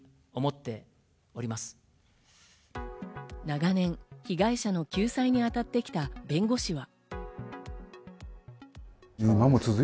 長年、被害者の救済にあたってきた弁護士は。